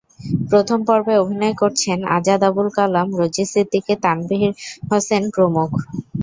প্রথম পর্বে অভিনয় করছেন আজাদ আবুল কালাম, রোজী সিদ্দিকী, তানভীর হোসেন প্রমুখ।